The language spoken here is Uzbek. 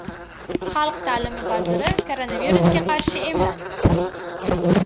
Xalq ta’limi vaziri koronavirusga qarshi emlandi